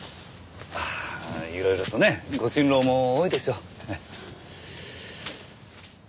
いろいろとねご心労も多いでしょう？